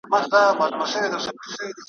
په بغارو په فریاد سول له دردونو `